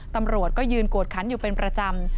ตำรวจก็ยืนกวดคันอยู่เป็นประจำ